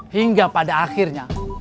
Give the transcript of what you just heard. hingga pada akhirnya